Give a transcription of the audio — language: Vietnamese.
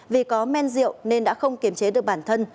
vì có men rượu nên đã không kiềm chế được bản thân